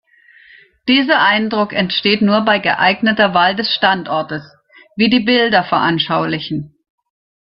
Dieser Eindruck entsteht nur bei geeigneter Wahl des Standortes, wie die Bilder veranschaulichen.